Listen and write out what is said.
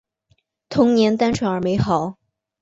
童年单纯而美好